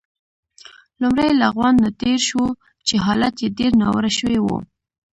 لومړی له غونډ نه تېر شوو، چې حالت يې ډېر ناوړه شوی وو.